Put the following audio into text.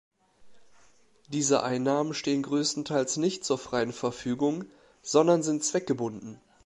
Diese Einnahmen stehen größtenteils nicht zur freien Verfügung, sondern sind zweckgebunden.